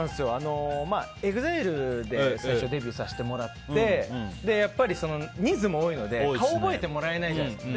ＥＸＩＬＥで最初デビューさせてもらってやっぱり、人数も多いので顔を覚えてもらえないじゃないですか。